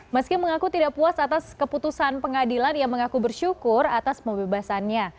meski mengaku tidak puas atas keputusan pengadilan ia mengaku bersyukur atas pembebasannya